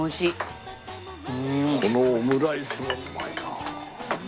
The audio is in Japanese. このオムライスもうまいなあ！